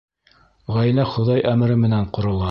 Ғаилә Хоҙай әмере менән ҡорола.